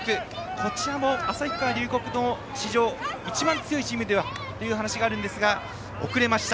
こちらも旭川龍谷史上一番強いチームだという話があるんですが遅れました。